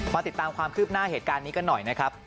ติดตามความคืบหน้าเหตุการณ์นี้กันหน่อยนะครับ